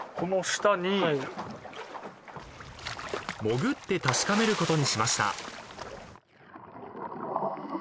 ［潜って確かめることにしました］